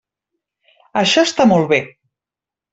Això està molt bé.